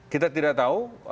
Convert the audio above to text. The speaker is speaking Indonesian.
kita tidak tahu